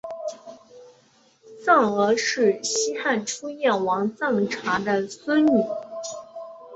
臧儿是西汉初燕王臧荼的孙女。